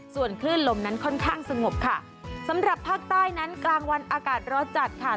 ส่วนคลื่นลมนั้นค่อนข้างสงบค่ะสำหรับภาคใต้นั้นกลางวันอากาศร้อนจัดค่ะ